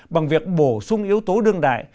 bằng việc bổ sung yếu tố đương đại